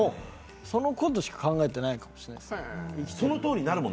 そのことしか考えていないかもしれません。